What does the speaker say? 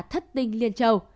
thất tinh liên châu